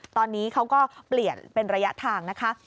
ตอนนี้เขาก็เปลี่ยนเป็นระยะทางนะคะ